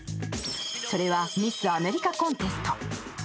それはミス・アメリカ・コンテスト。